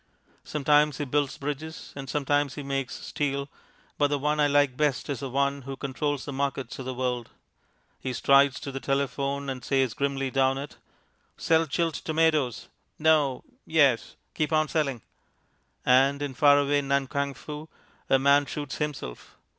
Sometimes he builds bridges, and sometimes he makes steel, but the one I like best is the one who controls the markets of the world. He strides to the telephone and says grimly down it: "Sell Chilled Tomatoes.... No.... Yes... Keep on selling," and in far away Nan Kang Foo a man shoots himself.